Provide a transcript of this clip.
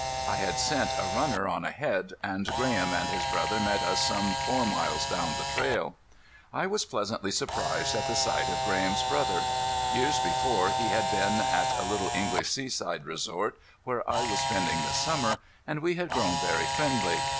I had sent a runner on ahead, and Graham and his brother met us some four miles down the trail. I was pleasantly surprised at the sight of Graham's brother. Years before he had been at a little English seaside resort where I was spending the summer and we had grown very friendly.